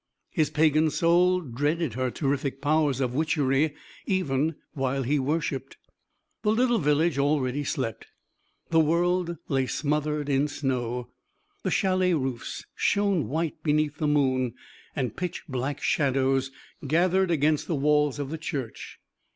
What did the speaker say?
His pagan soul dreaded her terrific powers of witchery even while he worshipped. The little village already slept. The world lay smothered in snow. The chalet roofs shone white beneath the moon, and pitch black shadows gathered against the walls of the church.